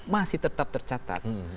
masih tetap tercatat